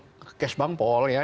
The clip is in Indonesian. pengamatan dari kes bangpol ya